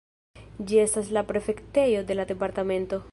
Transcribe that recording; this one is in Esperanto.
Ĝi estas la prefektejo de la departemento.